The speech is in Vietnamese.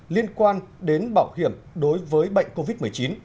liên quan đến bảo hiểm đối với bệnh covid một mươi chín